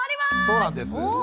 そうなんです。